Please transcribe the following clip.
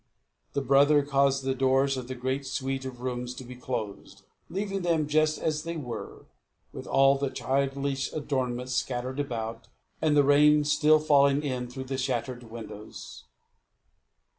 The brother caused the doors of the great suite of rooms to be closed, leaving them just as they were, with all the childish adornment scattered about, and the rain still falling in through the shattered windows.